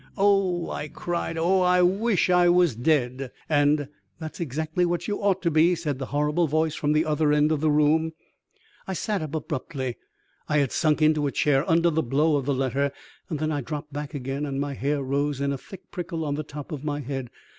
"Oh," I cried. "Oh, I wish I was dead!" And: "That's exactly what you ought to be!" said that horrible voice from the other end of the room. I sat up abruptly I had sunk into a chair under the blow of the letter then I dropped back again and my hair rose in a thick prickle on the top of my head.